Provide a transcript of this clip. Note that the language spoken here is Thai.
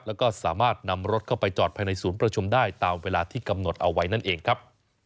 แล้วก็สามารถนำรถเข้าไปจอดภายในศูนย์ประชุมได้ตามเวลาที่กำหนดเอาไว้นั่นเองครับ